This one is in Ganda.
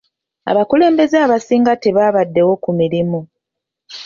Abakulembeze abasinga tebabaddeewo ku mirimu.